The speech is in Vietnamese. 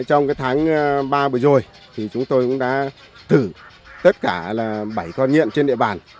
trong tháng ba vừa rồi thì chúng tôi cũng đã thử tất cả bảy con nghiện trên địa bàn